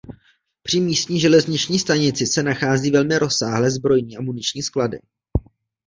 Při místní železniční stanici se nachází velmi rozsáhlé zbrojní a muniční sklady.